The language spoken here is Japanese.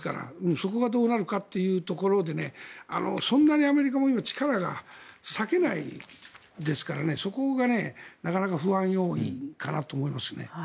そこがどうなるかということでそんなにアメリカも今力が割けないですからそこがなかなか不安要因かなと思いますね。